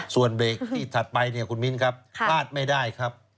ส่วนเบรกที่ถัดไปเนี่ยคุณมิ้นครับพลาดไม่ได้ครับ